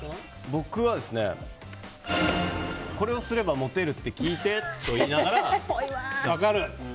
僕は、これをすればモテるって聞いて、と言いながら。